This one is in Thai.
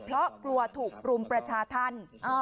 เพราะกลัวถูกรุมประชาธรรม